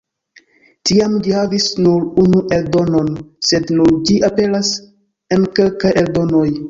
Tiam ĝi havis nur unu eldonon, sed nun ĝi aperas en kelkaj eldonoj.